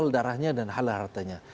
hal darahnya dan hal haratanya